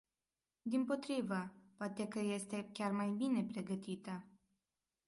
Dimpotrivă, poate că este chiar mai bine pregătită.